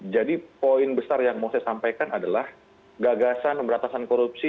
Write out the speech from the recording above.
jadi poin besar yang mau saya sampaikan adalah gagasan berantakan korupsi